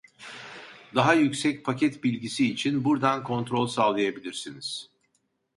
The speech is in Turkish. Daha yüksek paket bilgisi için burdan kontrol sağlayabilirsiniz